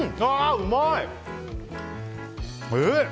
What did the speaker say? うまい！